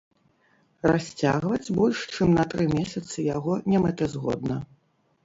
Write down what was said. Расцягваць больш чым на тры месяцы яго немэтазгодна.